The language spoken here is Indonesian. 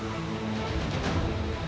aku hanya ingin menyusun siasat